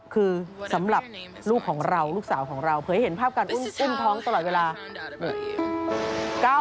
คือสำหรับลูกของเราลูกสาวของเราเผยเห็นภาพการอุ้มท้องตลอดเวลา